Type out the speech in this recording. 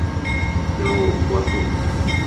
Nima u – bosh o‘q?